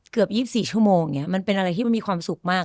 เกือบ๒๔ชั่วโมงอย่างนี้มันเป็นอะไรที่มันมีความสุขมาก